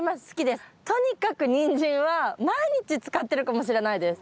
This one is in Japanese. とにかくニンジンは毎日使ってるかもしれないです。